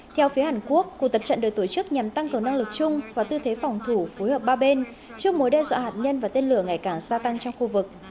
theo phía hàn quốc cuộc tập trận được tổ chức nhằm tăng cường năng lực chung và tư thế phòng thủ phối hợp ba bên trước mối đe dọa hạt nhân và tên lửa ngày càng gia tăng trong khu vực